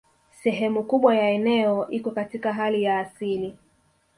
Sehemu kubwa ya eneo iko katika hali ya asili